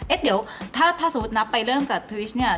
เดี๋ยวถ้าสมมุตินับไปเริ่มกับทริชเนี่ย